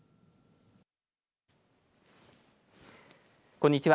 こんにちは。